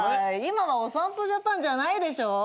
今は『おさんぽジャパン』じゃないでしょ。